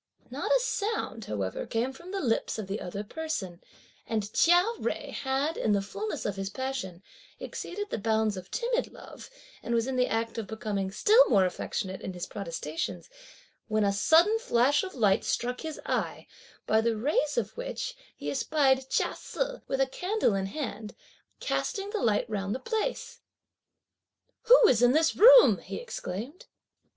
Not a sound, however, came from the lips of the other person; and Chia Jui had in the fulness of his passion, exceeded the bounds of timid love and was in the act of becoming still more affectionate in his protestations, when a sudden flash of a light struck his eye, by the rays of which he espied Chia Se with a candle in hand, casting the light round the place, "Who's in this room?" he exclaimed.